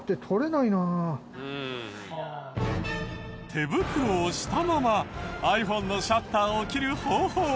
手袋をしたままｉＰｈｏｎｅのシャッターを切る方法。